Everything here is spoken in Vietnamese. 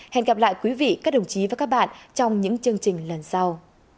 hẹn gặp lại quý vị các đồng chí và các bạn trong những chương trình lần sau